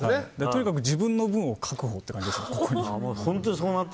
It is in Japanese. とにかく自分の分を確保って感じですね。